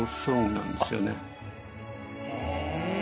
へえ。